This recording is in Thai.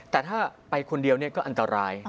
แต่ถ้าไปคนเดียวก็อันตราย